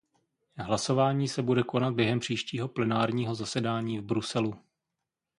Hlasování se bude konat během příštího plenárního zasedání v Bruselu.